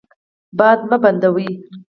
باد مه بندوئ.